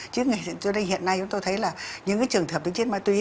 chứ hiện nay tôi thấy là những trường thập tiêm chích ma túy